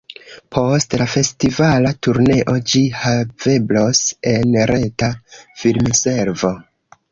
Post la festivala turneo ĝi haveblos en reta filmservo.